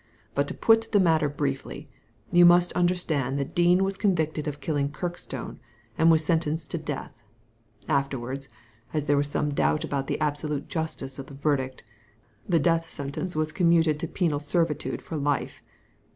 But to put the matter briefly, you must understand that Dean was con victed of killing Kirkstone and was sentenced to death. Afterwards, as there was some doubt about the absolute justice of the verdict, the death sentence was commuted to penal servitude for life.